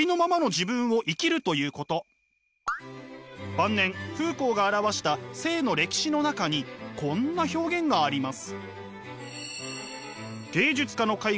晩年フーコーが著した「性の歴史」の中にこんな表現があります。